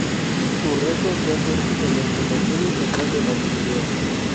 Sus restos yacen en el Cementerio Central de Montevideo.